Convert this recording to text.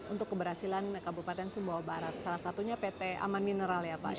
untuk keberhasilan kabupaten sumbawa barat salah satunya pt aman mineral ya pak